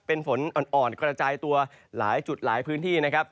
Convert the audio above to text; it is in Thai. เป็นฝนอ่อนกระจายตัวหลายจุดหลายพื้นที่นะครับ